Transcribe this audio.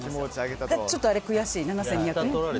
ちょっとあれ悔しい、７２００円。